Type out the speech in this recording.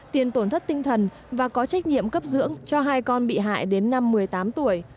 tiền tổn thất tinh thần và có trách nhiệm cấp dưỡng cho hai con bị hại đến năm một mươi tám tuổi